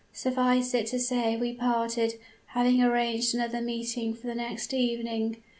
Suffice it to say we parted, having arranged another meeting for the next evening.